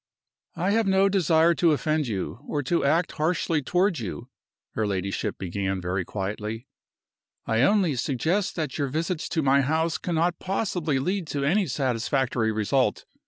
"I have no desire to offend you, or to act harshly toward you," her ladyship began, very quietly. "I only suggest that your visits to my house cannot possibly lead to any satisfactory result.